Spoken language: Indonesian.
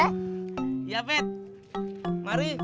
iya bet mari